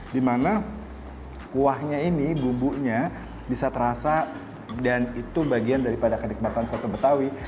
dimana kuahnya ini bumbunya bisa terasa dan itu bagian daripada kenikmatan soto betawi